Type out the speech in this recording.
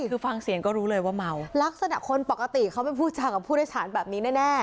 คือฟังเสียงก็รู้เลยว่าเมาลักษณะคนปกติเขาไม่พูดจากับผู้โดยสารแบบนี้แน่